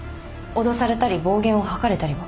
脅されたり暴言を吐かれたりは？